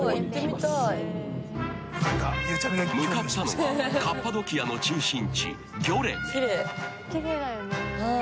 ［向かったのはカッパドキアの中心地ギョレメ］